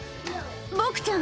ボクちゃん